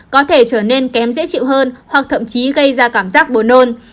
có thể trở nên kém dễ chịu hơn hoặc thậm chí gây ra cảm giác buồn nôn